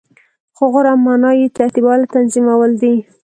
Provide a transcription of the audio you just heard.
خو غوره معنا یی ترتیبول او تنظیمول دی .